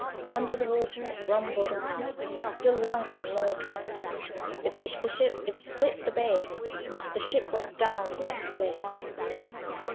Under the water it rumbled on, Still louder and more dread: It reached the ship, it split the bay; The ship went down like lead.